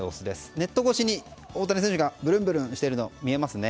ネット越しに大谷選手がブルンブルンしているのが見えますね。